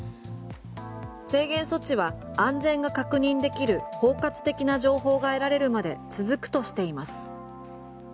制限措置は安全が確認できる包括的な情報が得られるまで続くとしています。